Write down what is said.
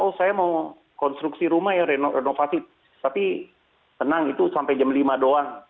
oh saya mau konstruksi rumah ya renovasi tapi tenang itu sampai jam lima doang